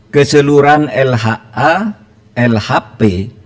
keseluruhan lha lhp